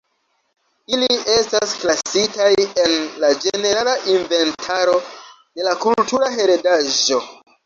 Ili estas klasitaj en la ĝenerala inventaro de la kultura heredaĵo.